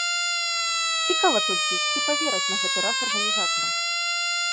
Цікава толькі, ці павераць на гэты раз арганізатарам.